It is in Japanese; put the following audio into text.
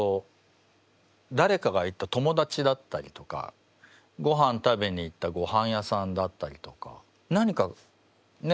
誰かが言った友達だったりとかごはん食べに行ったごはん屋さんだったりとか何かね